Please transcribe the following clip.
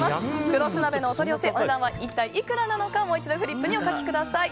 食労寿鍋のお取り寄せお値段は一体いくらなのかもう一度フリップにお書きください。